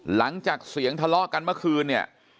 หลังจากเสียงทะเลาะกันเมื่อคืนเนี่ย